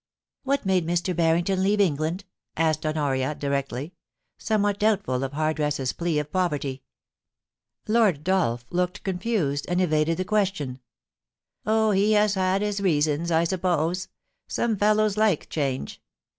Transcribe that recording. *What made Mr. Barrington leave England P asked Honoria directly, somewhat doubtful of Hardress's plea of poverty. Ixyrd Dolph looked confused, and evaded the question. * Oh, he had his reasons, I suppose ! Some fellows like ^change.